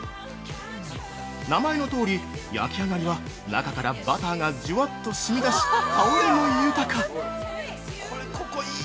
名前のとおり、焼き上がりは中からバターがじゅわっとしみだし香りも豊か。